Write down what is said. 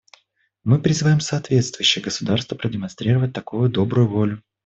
Мы призываем соответствующие государства продемонстрировать такую добрую волю.